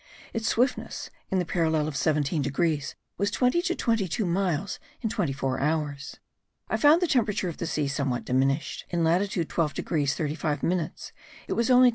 Its swiftness, in the parallel of 17 degrees, was twenty to twenty two miles in twenty four hours. I found the temperature of the sea somewhat diminished; in latitude 12 degrees 35 minutes it was only 25.